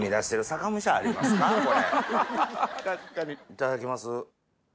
いただきます。